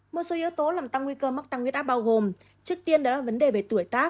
một số yếu tố làm tăng nguy cơ mắc tăng huyết áp bao gồm trước tiên đó là vấn đề về tuổi tác